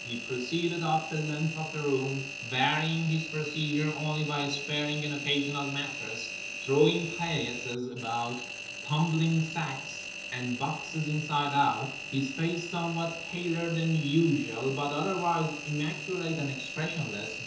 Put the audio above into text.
He proceeded up the length of the room, varying his procedure only by sparing an occasional mattress, throwing paillasses about, tumbling sacs and boxes inside out; his face somewhat paler than usual but otherwise immaculate and expressionless.